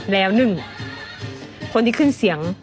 แล้วไม่ใช่